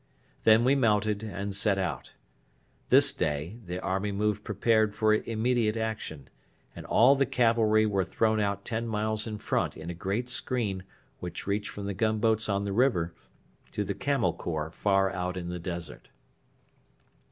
Then we mounted and set out. This day the army moved prepared for immediate action, and all the cavalry were thrown out ten miles in front in a great screen which reached from the gunboats on the river to the Camel Corps far out in the desert.